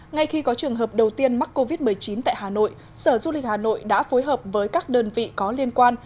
ngay khi có trường hợp đầu tiên mắc covid một mươi chín tại hà nội sở du lịch hà nội đã phối hợp với các đơn vị có liên quan